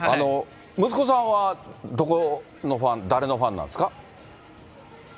息子さんはどこのファン、誰のファンなんですか？